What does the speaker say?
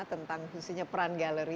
tentang peran galeri